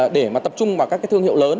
để mà tập trung vào các thương hiệu lớn